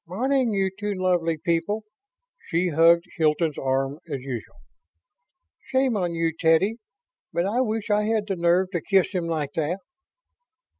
"Morning, you two lovely people." She hugged Hilton's arm as usual. "Shame on you, Teddy. But I wish I had the nerve to kiss him like that."